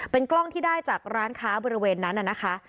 เป็นกล้องที่ได้จากร้านค้าบริเวณนั้นน่ะนะคะ